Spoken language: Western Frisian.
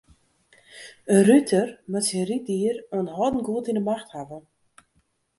In ruter moat syn ryddier oanhâldend goed yn 'e macht hawwe.